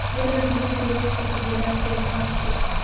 څوارلس ورځې وروسته په هرات کې وفات شو.